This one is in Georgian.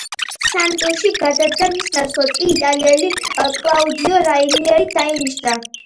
სანტუში გადადგა, მის ნაცვლად კი იტალიელი კლაუდიო რანიერი დაინიშნა.